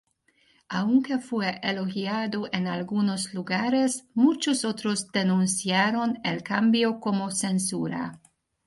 Aunque fue elogiado en algunos lugares, muchos otros denunciaron el cambio como censura.